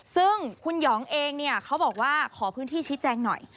ซึ่งคุณหยองเองเนี่ยเขาบอกว่าขอพื้นที่ชี้แจงหน่อย